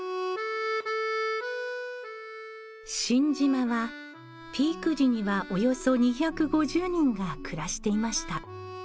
新島はピーク時にはおよそ２５０人が暮らしていました。